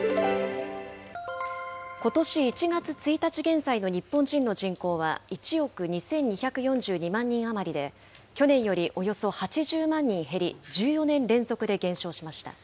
ことし１月１日現在の日本人の人口は、１億２２４２万人余りで、去年よりおよそ８０万人減り、１４年連続で減少しました。